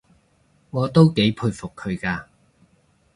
我都幾佩服佢嘅